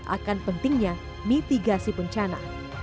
akan pentingnya mitigasi bencana